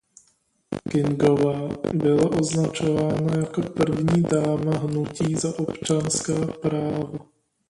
Kingová byla označována jako „první dáma hnutí za občanská práva“.